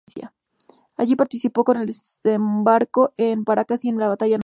Allí participó en el desembarco en Paracas y en la batalla de Nazca.